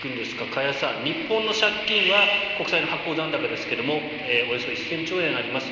加谷さん、日本の借金は国債の発行残高ですがおよそ１０００兆円あります。